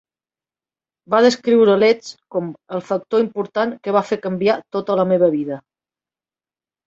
Va descriure Letts com "el factor important que va fer canviar tota la meva vida".